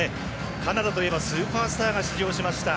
カナダといえばスーパースターが出場しました。